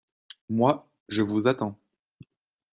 Moi, je vous attends.